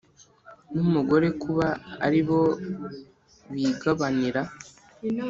n’umugore kuba ari bo bigabanira